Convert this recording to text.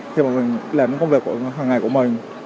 khi mà mình làm những công việc hàng ngày của mình